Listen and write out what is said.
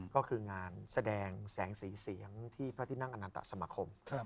ก็คืองานแสดงแสงสีเสียงที่พระที่นั่งอนันตสมคม